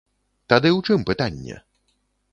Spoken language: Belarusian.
Тады ў чым пытанне?